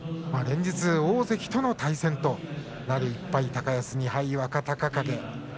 連日、大関との対戦となる１敗高安、２敗若隆景。